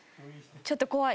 ちょっと怖い。